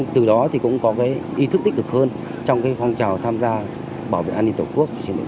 từ đó cũng có ý thức tích cực hơn trong phong trào tham gia bảo vệ an ninh tổ quốc trên địa bàn